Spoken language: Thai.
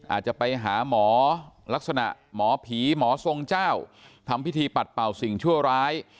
อาจจะไปหาหมอลักษณะหมอผีหมอทรงเจ้าทำพิธีปัดเป่าสิ่งชั่วร้าย